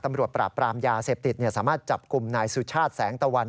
ตำรวจปราบปรามยาเสพติดสามารถจับกลุ่มนายสุชาติแสงตะวัน